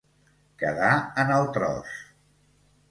Quedar en el tros.